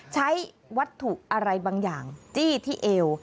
ใช้วัตถุอะไรบางอย่างจี้ที่เอว